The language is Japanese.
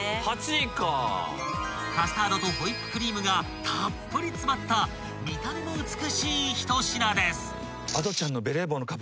［カスタードとホイップクリームがたっぷり詰まった見た目も美しい一品です］